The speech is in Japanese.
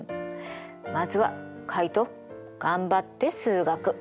まずはカイト頑張って数学。